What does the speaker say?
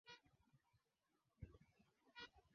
Abeid Karume atamwambia wakili huyo aifute kesi hiyo